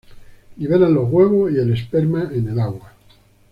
Liberan los huevos y el esperma en el agua.